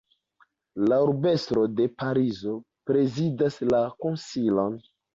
La urbestro de Parizo prezidas la konsilion.